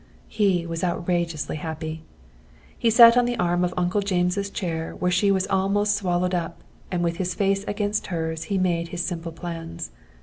He was outrageously happy. He sat on the arm of Uncle James' chair where she was almost swallowed up, and with his face against hers he made his simple plans.